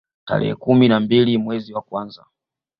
Tarehe kumi na mbili mwezi wa kwanza